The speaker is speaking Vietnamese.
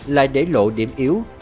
lại để lộ điểm yếu